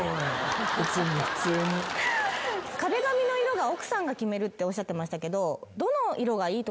壁紙の色奥さんが決めるっておっしゃってましたけど。